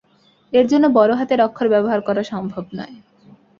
এর জন্য বড় হাতের অক্ষর ব্যবহার করা সম্ভব নয়।